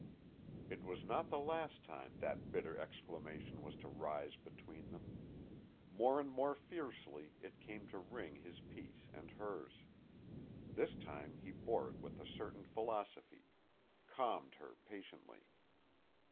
It was not the last time that bitter exclamation was to rise between them; more and more fiercely it came to wring his peace and hers. This time he bore it with a certain philosophy, calmed her patiently.